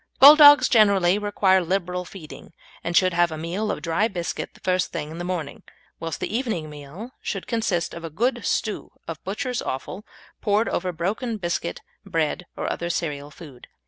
Bulldogs generally require liberal feeding, and should have a meal of dry biscuit the first thing in the morning, whilst the evening meal should consist of a good stew of butcher's offal poured over broken biscuit, bread, or other cereal food.